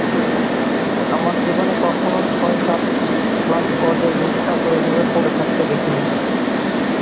আমার জীবনে কখনো ছয়-সাত লাখ গজের বেশি কাপড় এভাবে পড়ে থাকতে দেখিনি।